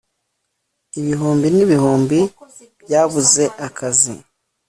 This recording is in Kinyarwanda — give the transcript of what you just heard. Ibihumbi nibihumbi byabuze akazi